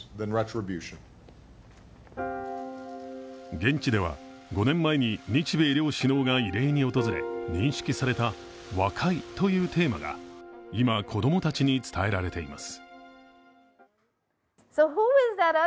現地では、５年前に日米両首脳が慰霊に訪れ認識された和解というテーマが今、子供たちに伝えられています。